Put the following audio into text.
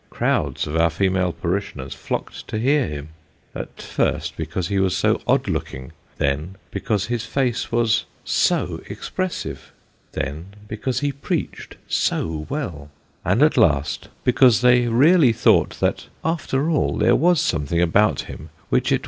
Crowds of our female parishioners flocked to hear him ; at first, because he was so odd looking, then because his face was so expressive, then because he preached so well ; and at last, because they really thought that, after all, there was something about him which it The Old Lady.